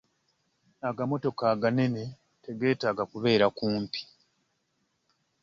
Agamotoka aganene tegeetaaga kubeera kumpi.